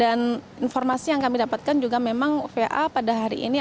dan informasi yang kami dapatkan juga memang va pada hari ini